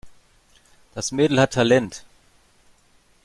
Das Mädel hat Talent.